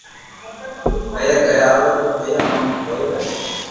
پئيا گھري آوي تو پييئا اوبا ڪوئي رھي